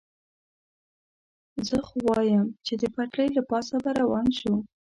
زه خو وایم، چې د پټلۍ له پاسه به روان شو.